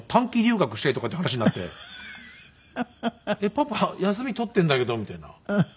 パパ休み取っているんだけどみたいな。